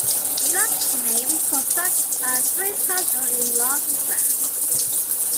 The Dutch name for such a grid puzzle is "logigram"